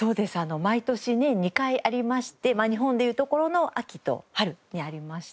毎年年２回ありまして日本でいうところの秋と春にありまして。